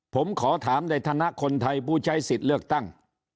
ผมขอถามในฐานะคนไทยผู้ใช้สิทธิ์เลือกตั้ง